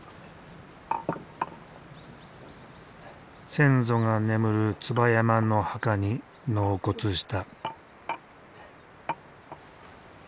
先祖が眠る椿山の墓に納骨した。